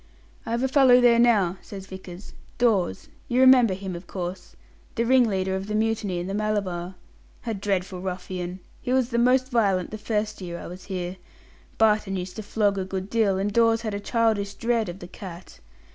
"I've a fellow there now," says Vickers; "Dawes. You remember him, of course the ringleader of the mutiny in the Malabar. A dreadful ruffian. He was most violent the first year I was here. Barton used to flog a good deal, and Dawes had a childish dread of the cat.